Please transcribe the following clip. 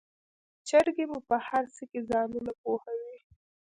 چرګې مو په هرڅه کې ځانونه پوهوي.